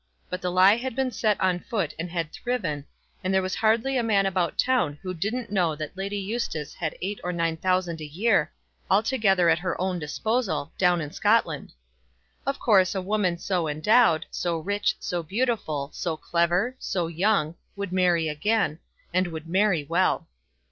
But the lie had been set on foot and had thriven, and there was hardly a man about town who didn't know that Lady Eustace had eight or nine thousand a year, altogether at her own disposal, down in Scotland. Of course a woman so endowed, so rich, so beautiful, so clever, so young, would marry again, and would marry well.